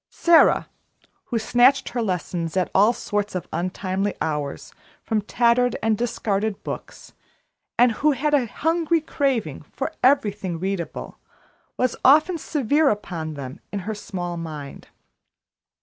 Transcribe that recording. Sara, who snatched her lessons at all sorts of untimely hours from tattered and discarded books, and who had a hungry craving for everything readable, was often severe upon them in her small mind.